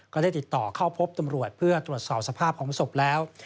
ก็ได้ติดต่อเข้าพบตำรวจเพื่อตรวจสอบสภาพของศพแล้ว